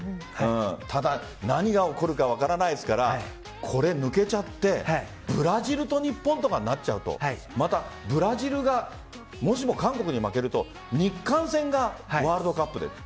ただ何が起こるか分からないですからこれ、抜けちゃってブラジルと日本とかになっちゃうとまたブラジルがもしも韓国に負けると日韓戦がワールドカップで。